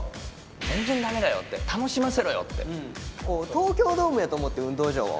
東京ドームやと思って運動場を。